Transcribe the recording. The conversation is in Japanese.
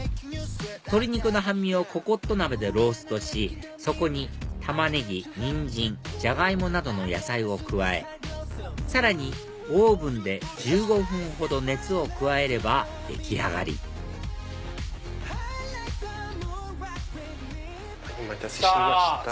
鶏肉の半身をココット鍋でローストしそこにタマネギニンジンジャガイモなどの野菜を加えさらにオーブンで１５分ほど熱を加えれば出来上がりお待たせしました。